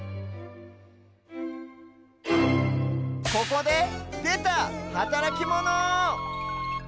ここででたはたらきモノ！